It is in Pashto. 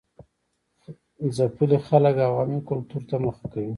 ځپلي خلک عوامي کلتور ته مخه کوي.